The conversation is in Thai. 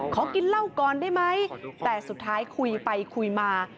ขอกินเหล้าก่อนได้ไหมแต่สุดท้ายคุยไปคุยมา